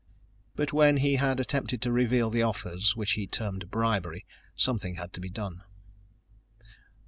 But when he had attempted to reveal the offers, which he termed bribery, something had to be done.